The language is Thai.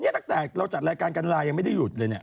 นี่ตั้งแต่เราจัดรายการกันลายังไม่ได้หยุดเลยเนี่ย